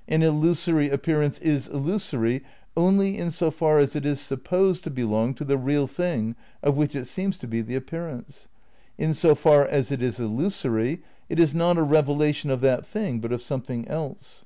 ... An illusory appearance is illusory only in so far as it is supposed ... to belong to the real thing of which it seems to be the appearance. In so far as it is illusory it is not a revelation of that thing but of something else.